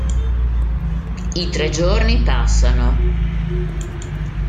I tre giorni passano.